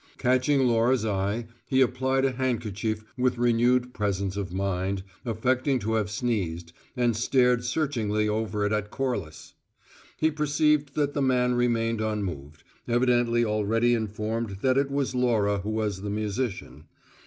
Catching Laura's eye, he applied a handkerchief with renewed presence of mind, affecting to have sneezed, and stared searchingly over it at Corliss. He perceived that the man remained unmoved, evidently already informed that it was Laura who was the musician.